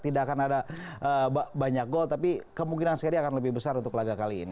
tidak akan ada banyak gol tapi kemungkinan seri akan lebih besar untuk laga kali ini